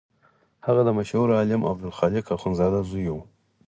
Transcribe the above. هغه د مشهور عالم عبدالخالق اخوندزاده زوی و.